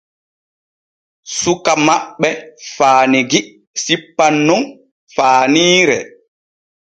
Suka maɓɓe faanigi sippan nun faaniire.